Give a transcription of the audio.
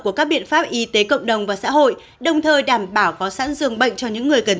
của các biện pháp y tế cộng đồng và xã hội đồng thời đảm bảo có sẵn dường bệnh cho những người cần